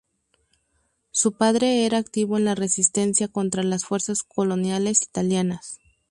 Su padre era activo en la resistencia contra las fuerzas coloniales italianas.